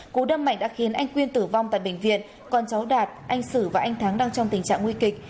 cú đâm mạnh đã khiến anh quyên tử vong tại bệnh viện con cháu đạt anh sử và anh thắng đang trong tình trạng nguy kịch